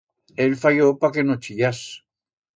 El fayió pa que no chillás.